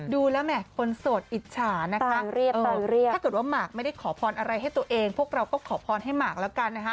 ดูแล้วเนี่ยคนสดอิจฉาเราเรียบหลังว่ามากไม่ได้ขอพรอะไรให้ตัวเองพวกเราก็ขอพรให้มากแล้วกันนะฮะ